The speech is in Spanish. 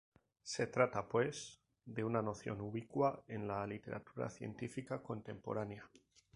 Se trata pues, de una noción ubicua en la literatura científica contemporánea.